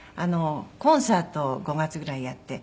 コンサートを５月ぐらいにやって。